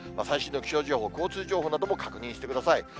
最新の気象情報、交通情報なども確認してください。